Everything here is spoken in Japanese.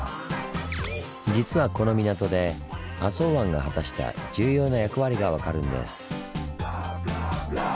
実はこの港で浅茅湾が果たした重要な役割が分かるんです。